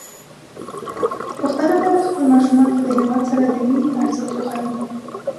پښتانه بايد خپل ماشومان ته د هيواد سره د مينې ارزښت وښيي.